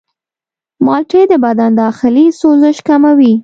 مالټې د بدن داخلي سوزش کموي.